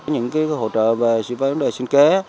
những cái hỗ trợ về sự phá vấn đề sinh kế